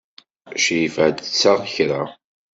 Crifa ad d-tseɣ kra.